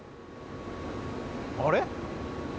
あれ？